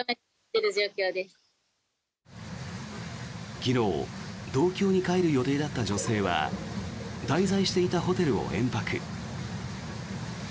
昨日、東京に帰る予定だった女性は滞在していたホテルを延泊。